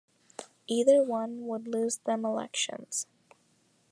Either one would lose them elections.